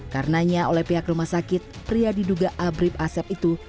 karena oleh pihak rumah sakit pria diduga abrib asep itu